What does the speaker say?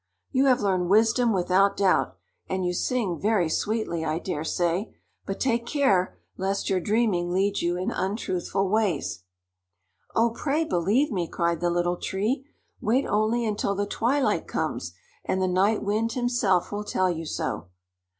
You have learned wisdom without doubt, and you sing very sweetly, I daresay; but take care lest your dreaming lead you in untruthful ways." "Oh, pray believe me!" cried the Little Tree. "Wait only until the twilight comes, and the Night Wind himself will tell you so."